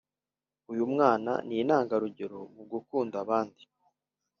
uyu mwana ni intangarugero mugukunda abandi